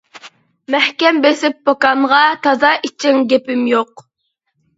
مەھكەم بېسىپ پوكانغا، تازا ئىچىڭ گېپىم يوق.